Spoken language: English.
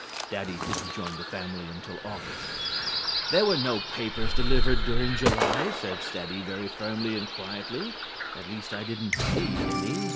(Daddy didn't join the family until August.) "There were no papers delivered during July," says Daddy very firmly and quietly, "at least, I didn't see any."